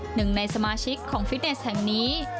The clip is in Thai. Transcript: หนึ่งในสมาชิกของฟิตเนสแห่งนี้